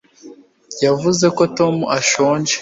wavuze ko tom ashonje